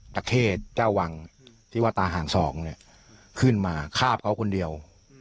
ตะเข้เจ้าวังที่ว่าตาหารสองเนี่ยขึ้นมาคาบเขาคนเดียว